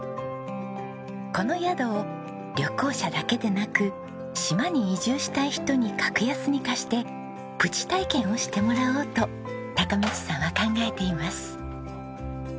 この宿を旅行者だけでなく島に移住したい人に格安に貸してプチ体験をしてもらおうと貴道さんは考えています。